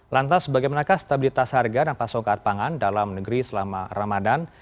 lantas bagaimanakah stabilitas harga dan pasokan pangan dalam negeri selama ramadan